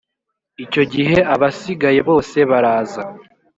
icyo gihe abasigaye bose baraza